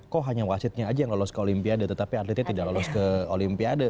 kok hanya wasitnya aja yang lolos ke olimpiade tetapi atletnya tidak lolos ke olimpiade